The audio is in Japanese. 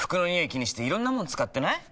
気にしていろんなもの使ってない？